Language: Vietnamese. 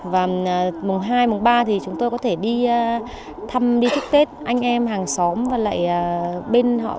và mùng hai mùng ba thì chúng tôi có thể đi thăm đi chúc tết anh em hàng xóm và lại bên họ